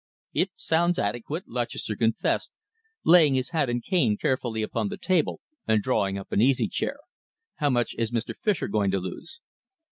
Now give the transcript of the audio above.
"It sounds adequate," Lutchester confessed, laying his hat and cane carefully upon the table and drawing up an easy chair. "How much is Mr. Fischer going to lose?"